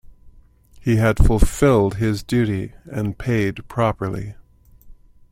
He had fulfilled his duty and paid properly.